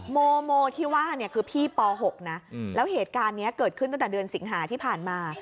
โมโมที่ว่าเนี่ยคือพี่ป๖นะแล้วเหตุการณ์นี้เกิดขึ้นตั้งแต่เดือนสิงหาที่ผ่านมา